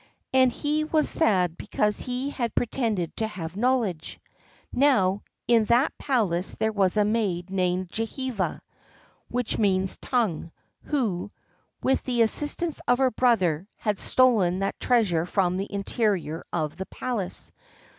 And he was sad because he had pretended to have knowledge. Now, in that palace there was a maid named Jihva (which means Tongue), who, with the assistance of her brother, had stolen that treasure from the interior of the palace.